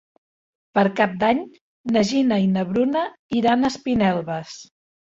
Per Cap d'Any na Gina i na Bruna iran a Espinelves.